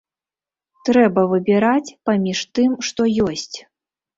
Трэба выбіраць паміж тым, што ёсць.